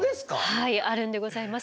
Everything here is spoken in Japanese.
はいあるんでございます。